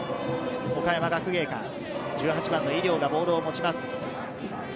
岡山学芸館、１８番の井料がボールを持ちます。